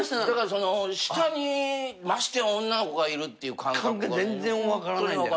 だから下にましてや女の子がいるっていう感覚がねホントに分からない。